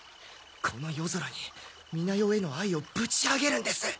この夜空に美奈代への愛をぶち上げるんです！